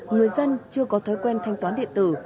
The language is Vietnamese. người dân chưa có thói quen thanh toán điện tử